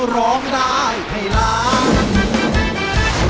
ร้องได้ให้ล้าน